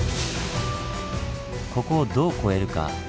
「ここをどう越えるか？」。